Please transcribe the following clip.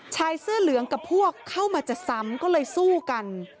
ชายเสื้อเหลืองกับพวกเข้ามาจะซ้ำก็เลยสู้กัน